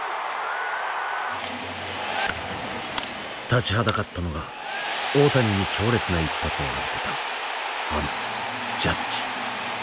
立ちはだかったのが大谷に強烈な一発を浴びせたあのジャッジ。